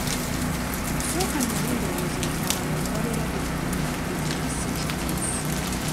Okusooka nali ndowooza nti abalongo babeera benkanya amagezi naye si kituufu.